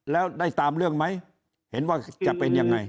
แล้วได้ตามเรื่องไหมเห็นว่าจะเป็นยังไง